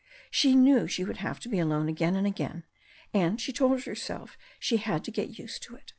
She knew she would have to be alone again and again, and she told herself she had to get used to it.